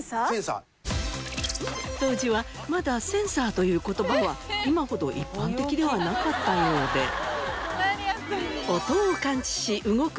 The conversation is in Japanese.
当時はまだ「センサー」という言葉は今ほど一般的ではなかったようで音を感知し動く